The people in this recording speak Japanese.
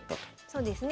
そうですね。